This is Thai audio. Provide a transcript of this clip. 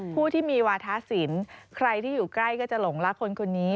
ผู้ที่มีวาทะศิลป์ใครที่อยู่ใกล้ก็จะหลงรักคนคนนี้